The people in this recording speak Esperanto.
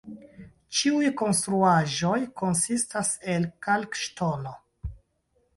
Ĉiuj konstruaĵoj konsistas el kalkŝtono.